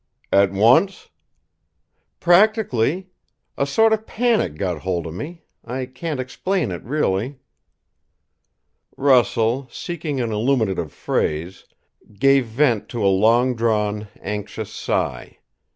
"At once?" "Practically. A sort of panic got hold of me. I can't explain it, really." Russell, seeking an illuminative phrase, gave vent to a long drawn, anxious sigh.